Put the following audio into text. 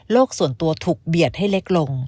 ส่วนตัวถูกเบียดให้เล็กลง